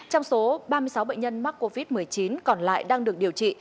trong số ba mươi sáu bệnh nhân mắc covid một mươi chín còn lại đang được điều trị